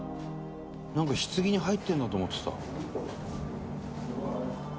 なんか棺に入ってるんだと思ってた」